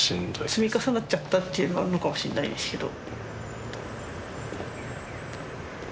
積み重なっちゃったっていうのはあるのかもしれないですけど。